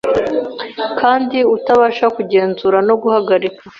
kandi utabasha kugenzura no guhagarika.